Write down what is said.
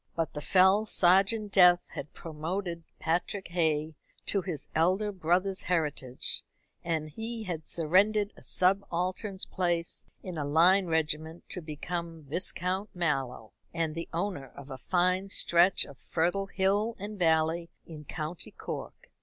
But the fell sergeant Death had promoted Patrick Hay to his elder brother's heritage, and he had surrendered a subaltern's place in a line regiment to become Viscount Mallow, and the owner of a fine stretch of fertile hill and valley in County Cork.